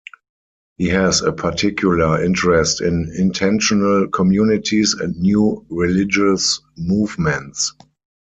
He has a particular interest in intentional communities and new religious movements.